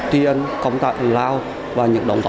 tuyên công tạng lào và những đồng tộc đó